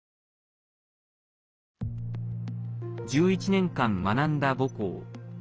１１年間、学んだ母校。